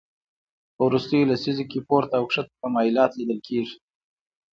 په وروستیو لسیزو کې پورته او کښته تمایلات لیدل کېږي